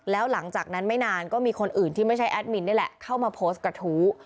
แล้วหลังจากนั้นไม่นานก็มีคนอื่นที่ไม่ใช่แอดมินนี่แหละเข้ามาโพสต์กระทู้